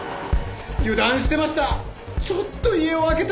油断してました！